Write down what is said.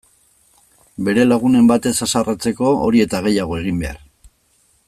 Bere lagunen bat ez haserretzeko hori eta gehiago egin behar!